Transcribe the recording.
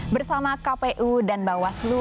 bersama kpu dan bawaslu